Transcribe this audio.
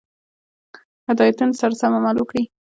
هدایتونو سره سم عمل وکړي.